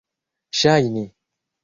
ŝajni